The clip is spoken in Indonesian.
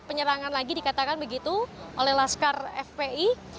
penyerangan lagi dikatakan begitu oleh laskar fpi